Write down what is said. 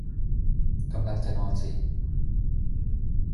กำลังจะนอนสิ